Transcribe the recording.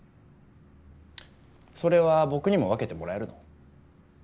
それは僕にも分けてもらえるの？